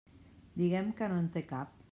Diguem que no en té cap.